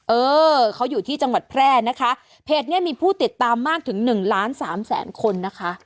เออเขาอยู่ที่จังหวัดแพร่นะคะเพจนี้มีผู้ติดตามมากถึงหนึ่งล้านสามแสนคนนะคะ